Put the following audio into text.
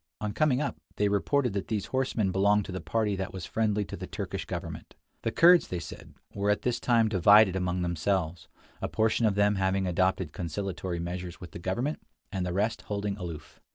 On coming up, they reported that these horsemen belonged to the party that was friendly to the Turkish government. The Kurds, they said, were at this time divided among themselves, a portion of them having adopted conciliatory measures with the government, and the rest holding aloof.